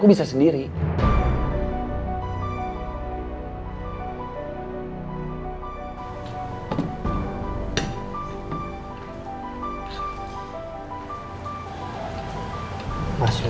beberapa hari sama makan ke molong